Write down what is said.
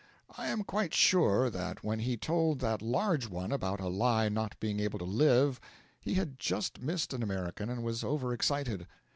I am quite sure that when he told that large one about a lie not being able to live he had just missed an American and was over excited.